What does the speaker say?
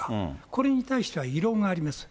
これに対しては異論があります。